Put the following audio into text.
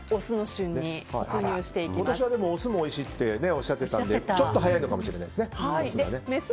今年はオスもおいしいっておっしゃってたのでちょっと早いのかもしれないです。